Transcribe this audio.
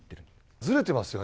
ずれていますよね。